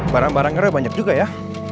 barang barangnya banyak juga ya